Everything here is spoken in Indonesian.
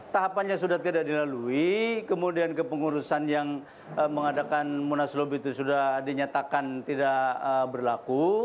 tahapannya sudah tidak dilalui kemudian kepengurusan yang mengadakan munaslub itu sudah dinyatakan tidak berlaku